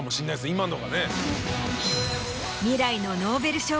今のがね。